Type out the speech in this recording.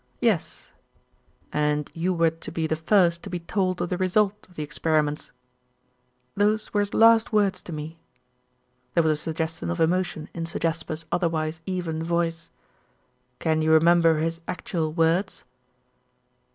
"Yes." "And you were to be the first to be told of the result of the experiments?" "Those were his last words to me." There was a suggestion of emotion in Sir Jasper's otherwise even voice. "Can you remember his actual words?"